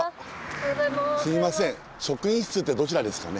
すいません職員室ってどちらですかね？